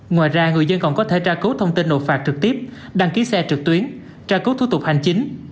ngoài ra người dân còn có thể tra cứu thông tin nộp phạt trực tiếp đăng ký xe trực tuyến tra cứu thủ tục hành chính